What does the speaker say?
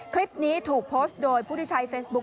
คลิปนี้ถูกโพสต์โดยผู้ที่ใช้เฟซบุ๊